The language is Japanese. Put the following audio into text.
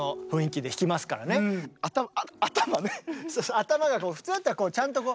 頭が普通だったらちゃんとこう。